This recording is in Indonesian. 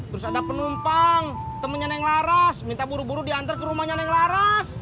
terus ada penumpang temennya yang laras minta buru buru diantar ke rumahnya yang laras